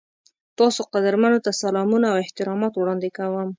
تاسو قدرمنو ته سلامونه او احترامات وړاندې کوم.